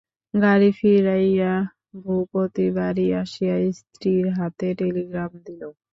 গাড়ি ফিরাইয়া ভূপতি বাড়ি আসিয়া স্ত্রীর হাতে টেলিগ্রাম দিল।